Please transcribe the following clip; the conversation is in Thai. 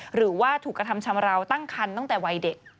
หรือว่าถูกกระทำชำราวตั้งคันตั้งแต่วัยเด็ก